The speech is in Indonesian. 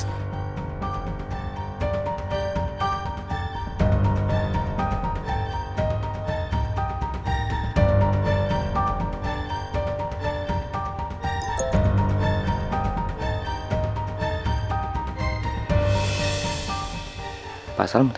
kami mencari keberadaan belasang di mobilnya